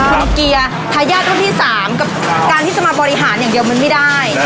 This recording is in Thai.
คุณเกียร์ทายาทรุ่นที่๓กับการที่จะมาบริหารอย่างเดียวมันไม่ได้